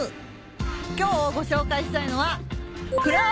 今日ご紹介したいのは。